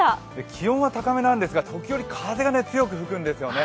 気温は高めなんですが時折風が強く吹くんですよね。